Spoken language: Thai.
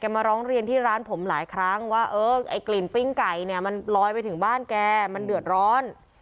มาร้องเรียนที่ร้านผมหลายครั้งว่าเออไอ้กลิ่นปิ้งไก่เนี่ยมันลอยไปถึงบ้านแกมันเดือดร้อน